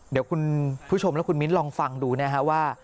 เดี๋ยวคุณผู้ชมและคุณมิ้นลองฟังดูนะฮะว่า